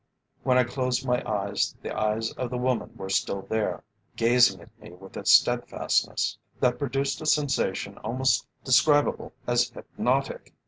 When I closed my eyes, the eyes of the woman were still there, gazing at me with a steadfastness that produced a sensation almost describable as hypnotic.